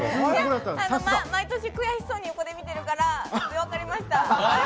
毎年悔しそうに横で見てるから分かりました。